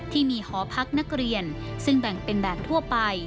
ที่มีหอพักนักเรียนซึ่งแบ่งเป็นแบบทั่วไป